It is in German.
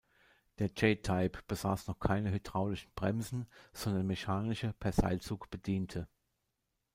Der J-Type besaß noch keine hydraulischen Bremsen, sondern mechanische, per Seilzug bediente.